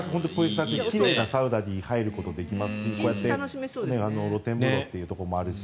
奇麗なサウナに入ることができますしこうやって露天風呂もあるし。